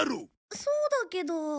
そうだけど。